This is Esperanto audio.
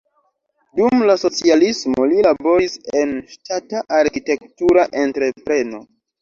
Dum la socialismo li laboris en ŝtata arkitektura entrepreno.